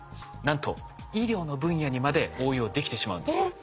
なんと医療の分野にまで応用できてしまうんです。